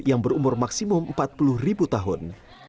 yang berumur maksimum empat puluh ribu tahun